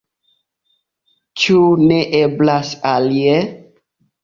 Ĉu ne eblas alie?